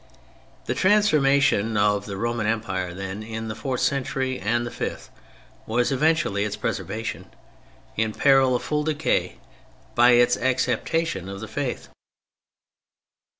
The transformation of the Roman Empire, then, in the fourth century and the fifth was eventually its preservation, in peril of full decay, by its acceptation of the Faith.